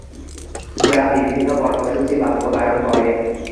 যা বিভিন্ন কর্মসূচি বাস্তবায়ন করে।